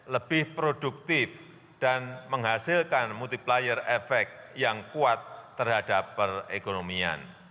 lebih produktif dan menghasilkan multiplier effect yang kuat terhadap perekonomian